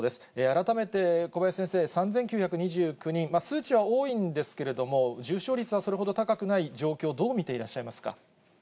改めて小林先生、３９２９人、数値は多いんですけれども、重症率はそれほど高くない状況、どう見ていらっしゃいますか。